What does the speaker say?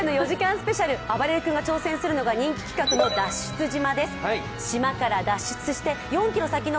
スペシャルあばれる君が挑戦するのは人気企画の「脱出島」です。